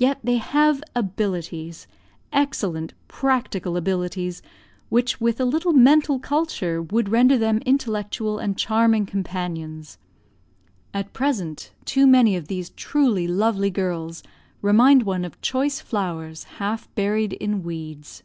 Yet they have abilities, excellent practical abilities, which, with a little mental culture, would render them intellectual and charming companions. At present, too many of these truly lovely girls remind one of choice flowers half buried in weeds.